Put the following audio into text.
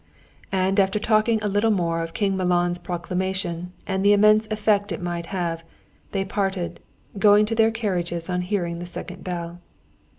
And after talking a little more of King Milan's proclamation, and the immense effect it might have, they parted, going to their carriages on hearing the second bell.